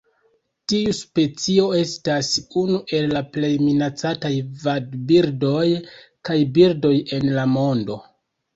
Tiu specio estas unu el la plej minacataj vadbirdoj kaj birdoj en la mondo.